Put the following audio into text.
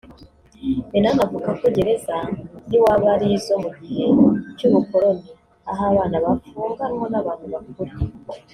Minani avuga ko gereza z’iwabo ari izo mu gihe cy’ubukoloni aho abana bafunganwa n’abantu bakuru